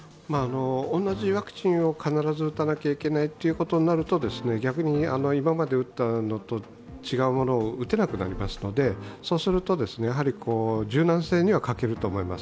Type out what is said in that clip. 同じワクチンを必ず打たなければいけないということになると逆に今まで打ったのと違うものを打てなくなりますので、柔軟性には欠けると思います。